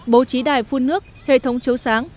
bố trí đài phun nước hệ thống chấu sáng